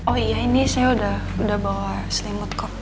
oh iya ini saya udah bawa selimut kok